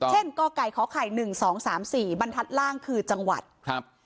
กไก่ขอไข่หนึ่งสองสามสี่บรรทัศน์ล่างคือจังหวัดครับ